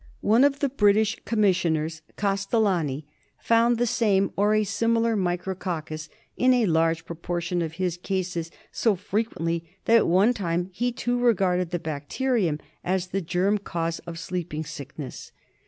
One of the British Commissioners — Castellani — found the same or a similar micro cocCus in a large proportion of his cases so frequently that at one time he too regarded the bacterium as the germ cause of Sleeping Sickness.